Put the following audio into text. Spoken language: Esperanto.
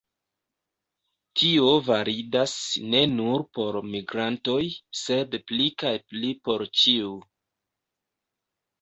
Tio validas ne nur por migrantoj, sed pli kaj pli por ĉiu.